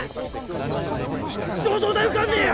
お前らなんか一生東大受かんねえよ！